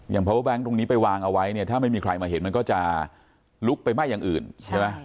เพราะว่าแบงค์ตรงนี้ไปวางเอาไว้เนี่ยถ้าไม่มีใครมาเห็นมันก็จะลุกไปไหม้อย่างอื่นใช่ไหม